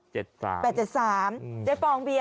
เจ็ดสามแปดเจ็ดสามอืมจะฝองเบียร์